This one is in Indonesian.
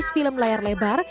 tujuh ratus film layar lebar